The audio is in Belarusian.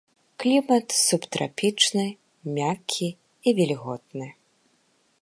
Клімат субтрапічны, мяккі і вільготны.